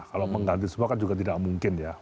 kalau mengganti semua kan juga tidak mungkin ya